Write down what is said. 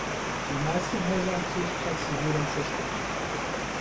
Die meisten Häuser am Kirchplatz wurden zerstört.